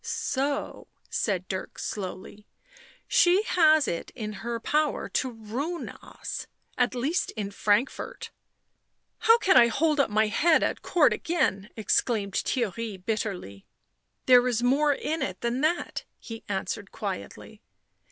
" So," said Dirk slowly, " she has it in her power to ruin us— at least in Frankfort." " How can I hold up my head at Court again!" exclaimed Theirry bitterly. " There is more in it than that," he answered quietly.